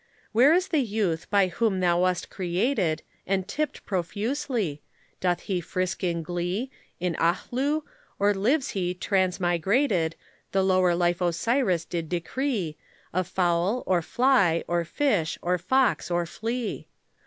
Where is the youth by whom thou wast created And tipped profusely? Doth he frisk in glee In Aahlu, or lives he, transmigrated, The lower life Osiris did decree, Of fowl, or fly, or fish, or fox, or flea?